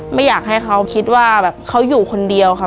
ไม่อยากให้เขาคิดว่าแบบเขาอยู่คนเดียวค่ะ